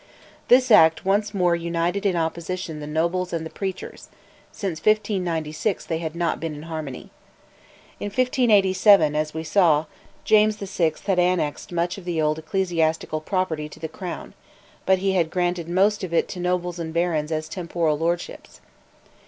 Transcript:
This Act once more united in opposition the nobles and the preachers; since 1596 they had not been in harmony. In 1587, as we saw, James VI. had annexed much of the old ecclesiastical property to the Crown; but he had granted most of it to nobles and barons as "temporal lordships."